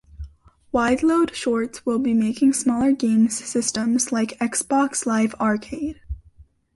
Wideload Shorts will be making smaller games systems like Xbox Live Arcade.